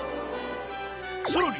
さらに